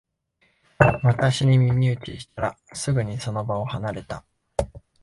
私に耳打ちしたら、すぐにその場を離れた